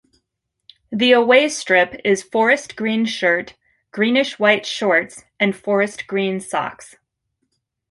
The away strip is forest green shirt, greenish-white shorts, and forest green socks.